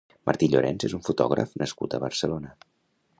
Martí Llorens és un fotògraf nascut a Barcelona.